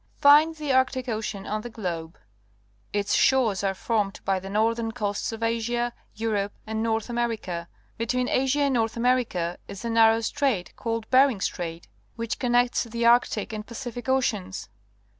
Find the Arctic Ocean on the globe. Its shores are formed by the northern coasts of Asia, Europe, and North America. Between Asia and North America is a narrow strait, called Bering Strait, which connects the Arctic and Pacific Oceans.